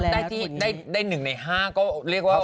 ก็ได้ที่ได้หนึ่งในห้าก็เรียกว่าโอเค